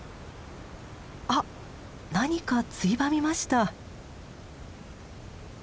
あっ何かついばみました！